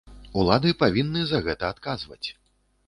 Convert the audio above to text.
Улады павінны за гэта адказваць.